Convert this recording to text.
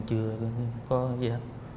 chưa có gì